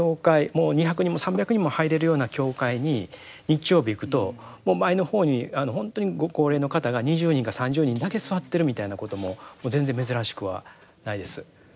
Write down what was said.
もう２００人も３００人も入れるような教会に日曜日行くと前の方にあの本当にご高齢の方が２０人か３０人だけ座ってるみたいなことも全然珍しくはないです。